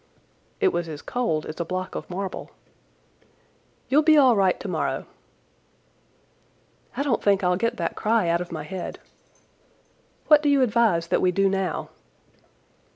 It was as cold as a block of marble. "You'll be all right tomorrow." "I don't think I'll get that cry out of my head. What do you advise that we do now?"